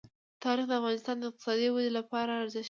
تاریخ د افغانستان د اقتصادي ودې لپاره ارزښت لري.